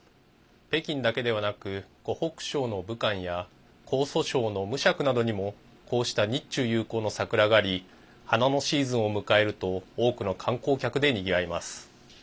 北京だけではなく湖北省の武漢や江蘇省の無錫などにもこうした日中友好の桜があり花のシーズンを迎えると多くの観光客でにぎわいます。